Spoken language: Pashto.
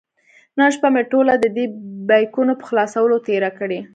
نن شپه مې ټوله د دې بیکونو په خلاصولو تېره کړې.